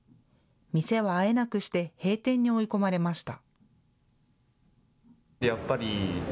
店はあえなくして閉店に追い込まれました。